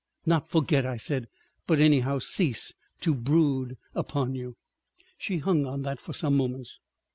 "Not forget," I said; "but anyhow—cease to brood upon you." She hung on that for some moments.